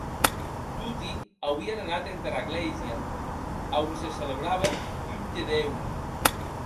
Toti auien anat entara glèisa, a on se celebraue un tedeum.